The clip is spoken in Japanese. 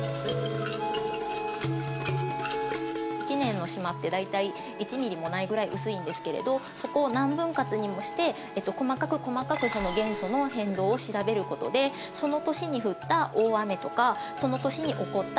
１年の縞って大体１ｍｍもないぐらい薄いんですけれどそこを何分割にもして細かく細かくその元素の変動を調べることでその年に降った大雨とかその年に起こった